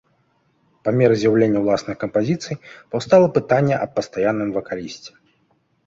Па меры з'яўлення ўласных кампазіцый паўстала пытанне аб пастаянным вакалісце.